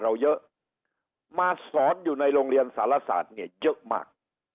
เราเยอะมาสอนอยู่ในโรงเรียนสารศาสตร์เนี่ยเยอะมาก